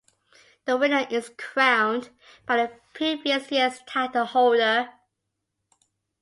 The winner is crowned by the previous year's titleholder.